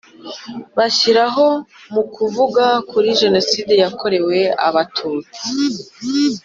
bashyiraga mu kuvuga kuri jenoside yakorewe abatutsi